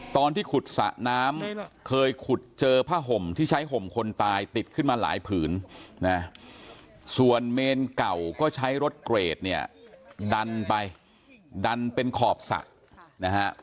ตอนที่ขุดสระน้ำเคยขุดเจอผ้าห่มที่ใช้ห่มคนตายติดขึ้นมาหลายผืนนะส่วนเมนเก่าก็ใช้รถเกรดเนี่ยดันไปดันเป็นขอบสระนะฮะ